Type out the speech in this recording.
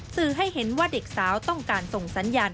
สื่อให้เห็นว่าเด็กสาวต้องการส่งสัญญาณ